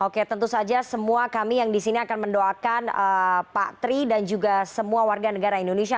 oke tentu saja semua kami yang di sini akan mendoakan pak tri dan juga semua warga negara indonesia